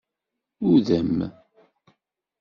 Udem.